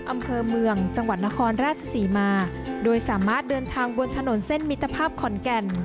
อำเภอเมืองจังหวัดนครราชศรีมาโดยสามารถเดินทางบนถนนเส้นมิตรภาพขอนแก่น